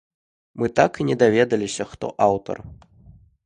Мы так і не даведаліся, хто аўтар.